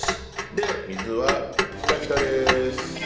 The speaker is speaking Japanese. で水はひたひたです。